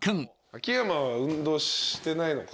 秋山は運動してないのか。